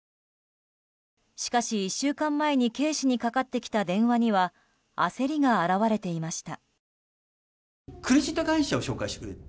しかし、１週間前にＫ氏にかかってきた電話には焦りが表れていました。